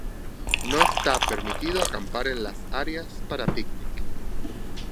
No está permitido acampar en las áreas para picnic.